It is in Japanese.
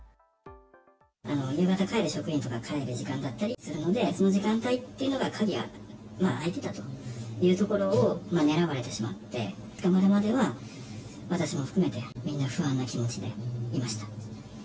夕方が帰る職員が帰る時間だったりするので、その時間帯というのが、鍵は開いてたというところを狙われてしまって、捕まるまでは、私も含めてみんな不安な気持ちでいました。